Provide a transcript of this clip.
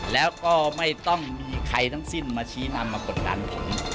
แล้วก็ไม่ต้องมีใครทั้งสิ้นมาชี้นำมากดดันผม